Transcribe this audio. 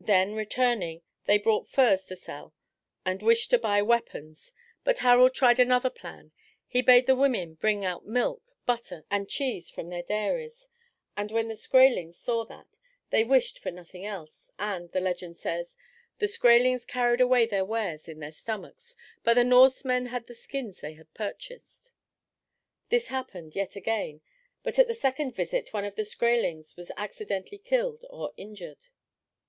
Then returning, they brought furs to sell and wished to buy weapons, but Harald tried another plan: he bade the women bring out milk, butter, and cheese from their dairies, and when the Skraelings saw that, they wished for nothing else, and, the legend says, "the Skraelings carried away their wares in their stomachs, but the Norsemen had the skins they had purchased." This happened yet again, but at the second visit one of the Skraelings was accidentally killed or injured.